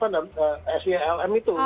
dan selm itu